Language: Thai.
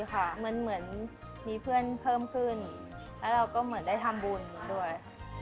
เหมือนมีเพื่อนเพิ่มขึ้นแล้วเราก็เหมือนได้ทำบุญด้วย